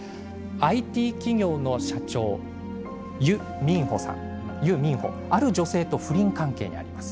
ＩＴ企業の社長ユ・ミンホある女性と不倫関係にあります。